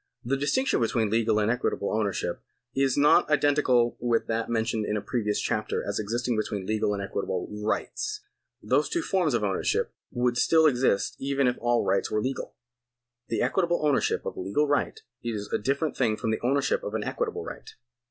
The distinction between legal and equitable ownership is not identical with that mentioned in a previous chapter as existing between legal and equitable rights. These two forms of ownership would still exist even if all rights were legal. The equitable ownership of a legal right is a different thing from the ownership of an equitable right.